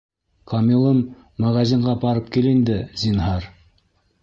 Камилым, магазинға барып кил инде, зинһар.